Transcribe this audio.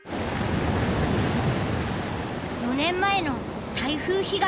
４年前の台風被害。